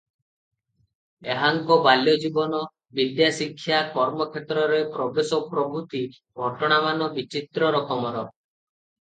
ଏହାଙ୍କ ବାଲ୍ୟଜୀବନ, ବିଦ୍ୟାଶିକ୍ଷା, କର୍ମକ୍ଷେତ୍ରରେ ପ୍ରବେଶ ପ୍ରଭୁତି ଘଟଣାମାନ ବିଚିତ୍ର ରକମର ।